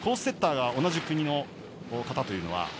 セッターが同じ国の方というのは？